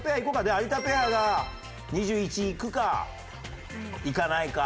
で有田ペアが２１いくかいかないか。